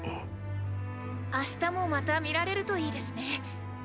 明日もまた見られるといいですね。